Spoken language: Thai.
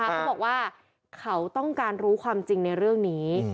เขาบอกว่าเขาต้องการรู้ความจริงในเรื่องนี้